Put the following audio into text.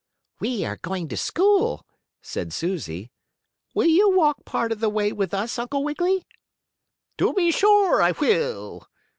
"We are going to school," said Susie. "Will you walk part of the way with us, Uncle Wiggily?" "To be sure I will!"